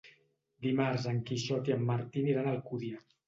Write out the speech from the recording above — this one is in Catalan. Dimarts en Quixot i en Martí aniran a Alcúdia.